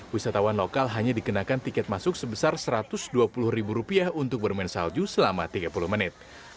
wisatawan lokal hanya dikenakan tiket masuk sebesar satu ratus dua puluh ribu rupiah untuk bermain salju selama tiga puluh menit